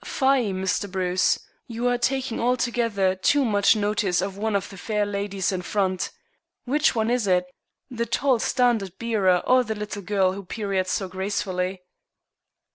"Fie, Mr. Bruce. You are taking altogether too much notice of one of the fair ladies in front. Which one is it? The tall standard bearer or the little girl who pirouettes so gracefully?"